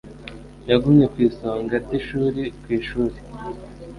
Yagumye ku isonga ry’ishuri ku ishuri.